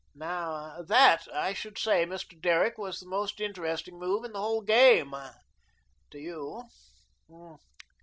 Now, THAT I should say, Mr. Derrick, was the most interesting move in the whole game to you.